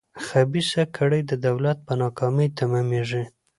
خبیثه کړۍ د دولت په ناکامۍ تمامېږي.